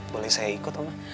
boleh saya ikut oma